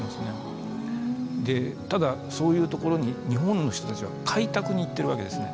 ただそういうところに日本の人たちは開拓に行っているわけですね。